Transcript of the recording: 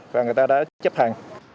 và người ta đã chấp hành